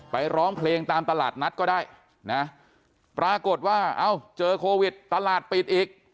ร้องเพลงตามตลาดนัดก็ได้นะปรากฏว่าเอ้าเจอโควิดตลาดปิดอีก